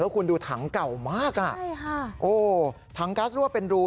คุณดูถังเก่ามากอ่ะใช่ค่ะโอ้ถังกัสรั่วเป็นรู